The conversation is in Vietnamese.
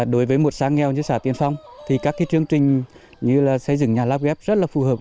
đối với một xã nghèo như xã tiền phong thì các chương trình như xây dựng nhà la ghép rất là phù hợp